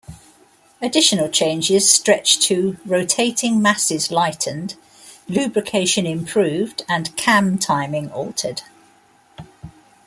Additional changes stretch to "rotating masses lightened, lubrication improved and cam timing altered".